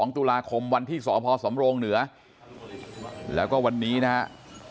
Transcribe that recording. ๒ตุลาคมวันที่สพสำโรงเหนือแล้วก็วันนี้นะครับ